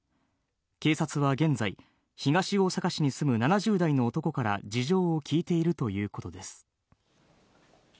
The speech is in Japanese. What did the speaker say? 警察は現在、東大阪市に住む７０代の男から事情を聴いているということです。